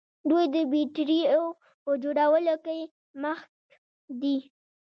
دوی د بیټریو په جوړولو کې مخکښ دي.